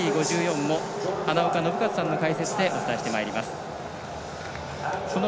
ｍＴ５４も花岡伸和さんの解説でお伝えしてまいります。